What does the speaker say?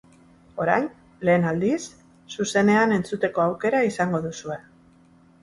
Orain, lehen aldiz, zuzenean entzuteko aukera izango duzue.